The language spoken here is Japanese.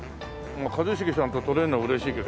一茂さんと撮れるのは嬉しいけどね。